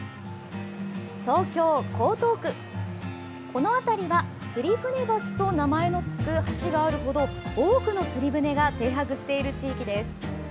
この辺りは釣船橋と名前のつく橋があるほど多くの釣り船が停泊している地域です。